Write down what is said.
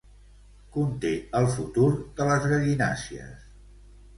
Conté el futur de les gallinàcies.